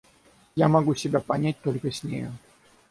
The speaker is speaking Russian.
Я могу себя понять только с нею.